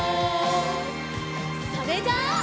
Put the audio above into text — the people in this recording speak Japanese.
それじゃあ。